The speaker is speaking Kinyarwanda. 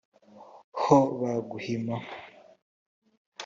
ho ba gahima